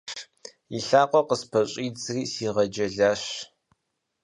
И лъакъуэр къыспэщӏидзри, сигъэджэлащ.